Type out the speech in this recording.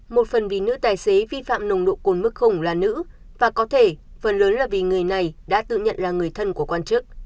một phần vì nữ tài xế vi phạm nồng độ cồn mức khủng là nữ và có thể phần lớn là vì người này đã tự nhận là người thân của quan chức